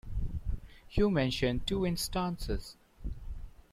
You mentioned two instances.